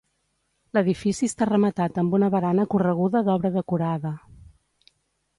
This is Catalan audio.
L'edifici està rematat amb una barana correguda d'obra decorada.